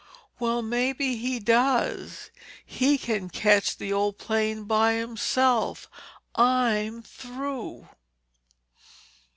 "Well, maybe he does. He can catch the old plane by himself. I'm through."